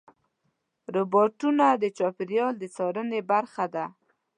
روبوټونه د چاپېریال د څارنې برخه دي.